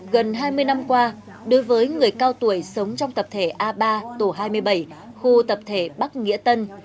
gần hai mươi năm qua đối với người cao tuổi sống trong tập thể a ba tổ hai mươi bảy khu tập thể bắc nghĩa tân